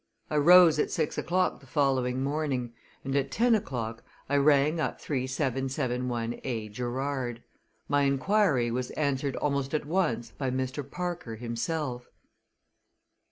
I rose at six o'clock the following morning, and at ten o'clock I rang up 3771A Gerrard. My inquiry was answered almost at once by Mr. Parker himself.